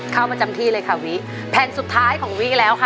เข้าประจำที่เลยค่ะวิแผ่นสุดท้ายของวิแล้วค่ะ